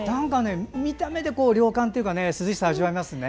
見た目で涼感というか涼しさを味わえますよね。